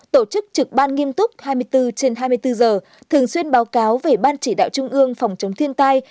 tổ chức trực ban nghiêm túc hai mươi bốn trên hai mươi bốn giờ thường xuyên báo cáo về ban chỉ đạo trung ương phòng chống thiên tai